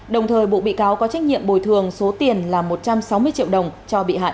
đồng thời bộ bị cáo có trách nhiệm bồi thường số tiền là một trăm sáu mươi triệu đồng cho bị hại